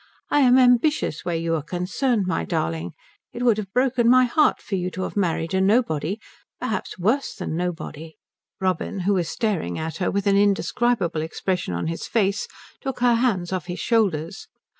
I am ambitious where you are concerned, my darling. It would have broken my heart for you to have married a nobody perhaps a worse than nobody." Robin, who was staring at her with an indescribable expression on his face, took her hands off his shoulders.